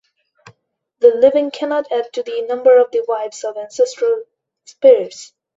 The living cannot add to the number of the wives of ancestral spirits.